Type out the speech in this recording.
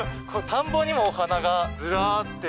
田んぼにもお花がずらって。